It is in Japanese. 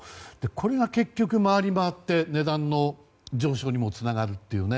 これが結局、回り回って値段の上昇にもつながるという。